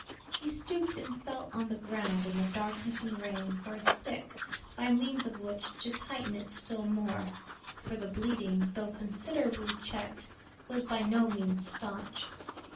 He stooped and felt on the ground in the darkness and rain, for a stick, by means of which to tighten it still more; for the bleeding, though considerably checked, was by no means stanched.